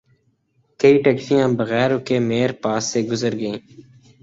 کئی ٹیکسیاں بغیر رکے میر پاس سے گزر گئیں